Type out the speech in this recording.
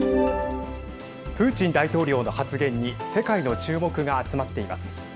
プーチン大統領の発言に世界の注目が集まっています。